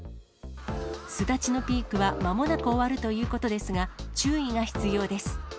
巣立ちのピークはまもなく終わるということですが、注意が必要です。